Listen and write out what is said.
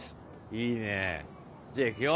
いいねじゃあいくよ？